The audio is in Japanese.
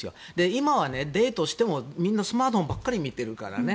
今はデートしてもみんなスマートフォンばかり見てるからね。